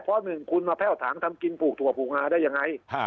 เพราะหนึ่งคุณมาแพ่วถางทำกินปลูกถั่วปลูกหาได้ยังไง